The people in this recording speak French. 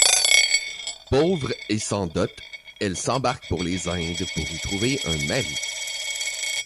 Pauvre et sans dot, elle s'embarque pour les Indes pour y trouver un mari.